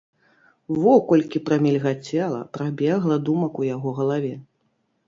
Во колькі прамільгацела, прабегла думак у яго галаве.